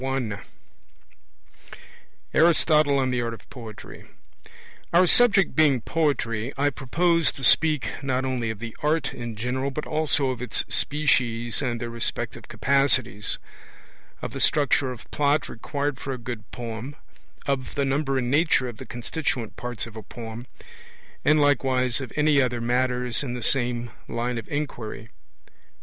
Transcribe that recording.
M ARISTOTLE ON THE ART OF POETRY 1 Our subject being Poetry, I propose to speak not only of the art in general but also of its species and their respective capacities; of the structure of plot required for a good poem; of the number and nature of the constituent parts of a poem; and likewise of any other matters in the same line of inquiry.